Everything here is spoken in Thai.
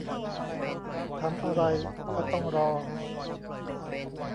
ทำอะไรก็ต้องรอ